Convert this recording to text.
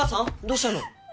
どうしたの？